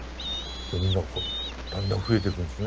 でみんなだんだん増えていくんですね。